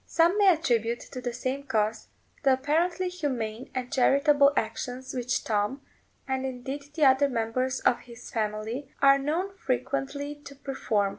Some may attribute to the same cause the apparently humane and charitable actions which Tom, and indeed the other members of his family, are known frequently to perform.